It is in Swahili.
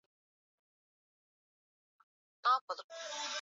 Dalili za ugonjwa wa kutupa mimba kwa mnyama aliyekufa